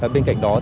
bên cạnh đó